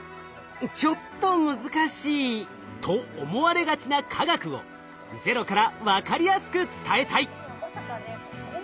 「ちょっと難しい」と思われがちな科学をゼロから分かりやすく伝えたい。